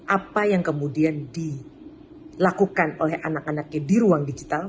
apa yang kemudian dilakukan oleh anak anaknya di ruang digital